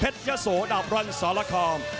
เพชรยะโสดาบร้อนสรคาม